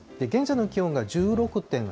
現在の気温が１６．８度。